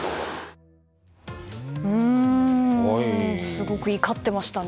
すごく怒っていましたね。